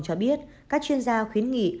cho biết các chuyên gia khuyến nghị